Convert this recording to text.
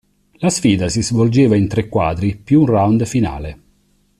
La sfida si svolgeva in tre quadri più un round finale.